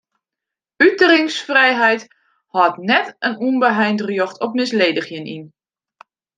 Uteringsfrijheid hâldt net in ûnbeheind rjocht op misledigjen yn.